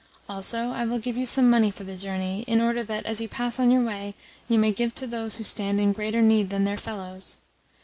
Also, I will give you some money for the journey, in order that, as you pass on your way, you may give to those who stand in greater need than their fellows.